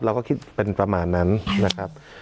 เราก็คิดเป็นประมาณนั้นนะครับ